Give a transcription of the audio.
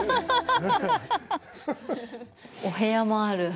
お部屋もある。